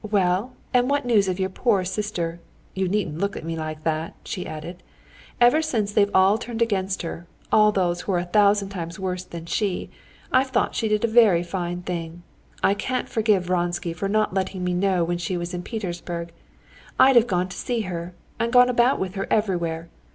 "Well, and what news of your poor sister? You needn't look at me like that," she added. "Ever since they've all turned against her, all those who're a thousand times worse than she, I've thought she did a very fine thing. I can't forgive Vronsky for not letting me know when she was in Petersburg. I'd have gone to see her and gone about with her everywhere.